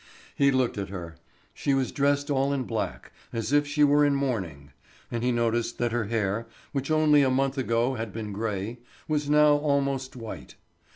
He looked at her. She was dressed all in black as if she were in mourning, and he noticed that her hair, which only a month ago had been gray, was now almost white.